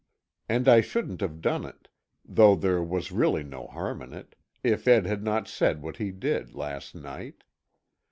And I shouldn't have done it though there was really no harm in it if Ed had not said what he did, last night.